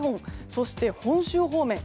そして、本州方面